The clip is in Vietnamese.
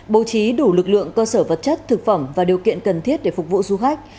bố trí đủ lực lượng cơ sở vật chất thực phẩm và điều kiện cần thiết để phục vụ du khách